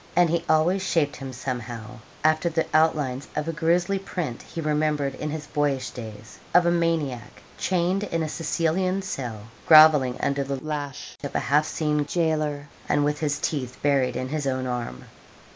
And he always shaped him somehow after the outlines of a grizzly print he remembered in his boyish days, of a maniac chained in a Sicilian cell, grovelling under the lash of a half seen gaoler, and with his teeth buried in his own arm.